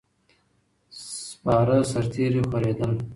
سپاره سرتیري خورېدل.